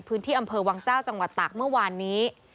พื้นที่อำเภอวังเจ้าจังหวัดตากเมื่อวานนี้